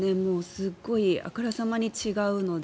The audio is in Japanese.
すごい、あからさまに違うので。